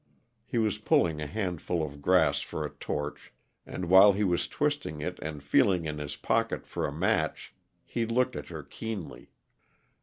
He was pulling a handful of grass for a torch, and while he was twisting it and feeling in his pocket for a match, he looked at her keenly.